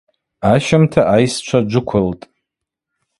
Ащымта айсчва джвыквылтӏ.